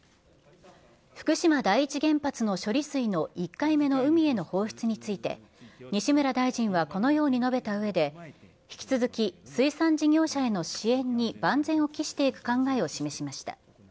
福島第一原発の処理水の１回目の海への放出について、西村大臣はこのように述べたうえで、引き続き、水産事業者への支援に万全を期していく考えを示しました。